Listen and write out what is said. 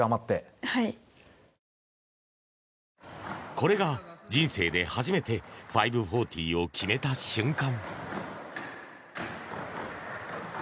これが、人生で初めて５４０を決めた瞬間。